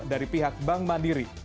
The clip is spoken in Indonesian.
dari pihak bank mandiri